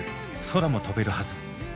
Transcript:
「空も飛べるはず」。